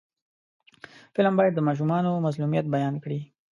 فلم باید د ماشومانو مظلومیت بیان کړي